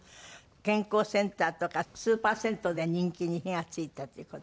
健康センターとかスーパー銭湯で人気に火がついたという事で。